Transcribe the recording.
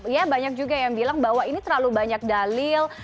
ya banyak juga yang bilang bahwa ini terlalu banyak dalil